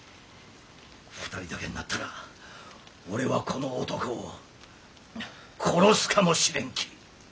２人だけんなったら俺はこの男を殺すかもしれんき。